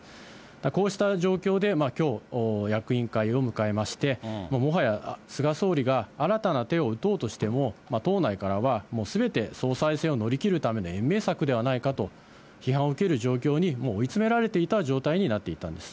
こうした状況で、きょう、役員会を迎えまして、もはや菅総理が新たな手を打とうとしても、党内からはもうすべて総裁選を乗り切るための延命策ではないかと批判を受ける状況に、もう追い詰められていた状態になっていたんです。